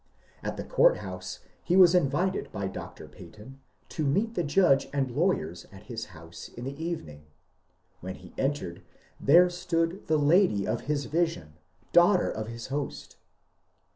At the Court House he was invited by Dr. Peyton to meet the judge and lawyers at his house in the evening. When he entered, there stood the lady of hb vision, — daughter of hb host.